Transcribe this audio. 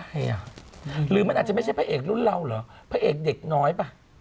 อ่ะหรือมันอาจจะไม่ใช่พระเอกรุ่นเราเหรอพระเอกเด็กน้อยป่ะ